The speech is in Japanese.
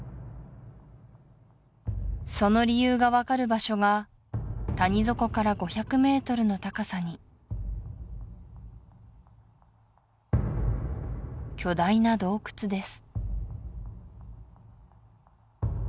その理由が分かる場所が谷底から５００ｍの高さに巨大な洞窟です